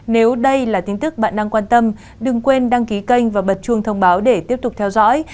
nếu đây là tin tức bạn đang quan tâm đừng quên đăng ký kênh và bật chuông thông báo để tiếp tục theo dõi